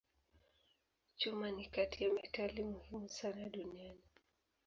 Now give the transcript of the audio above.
Chuma ni kati ya metali muhimu sana duniani.